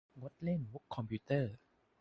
งดเล่นมุขคอมพิวเตอร์